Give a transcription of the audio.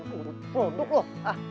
duduk duduk duduk